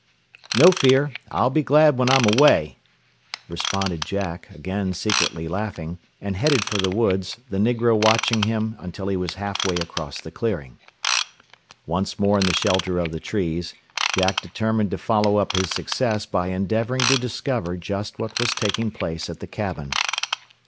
"No fear. I'll be glad when I'm away," responded Jack, again secretly laughing, and headed for the woods, the negro watching him until he was half way across the clearing. Once more in the shelter of the trees, Jack determined to follow up his success by endeavoring to discover just what was taking place at the cabin.